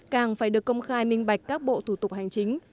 càng phải được công khai minh bạch các bộ thủ tục hành chính